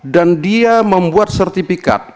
dan dia membuat sertifikat